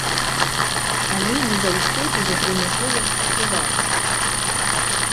Але не заўсёды ягоны голас чуваць.